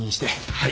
はい。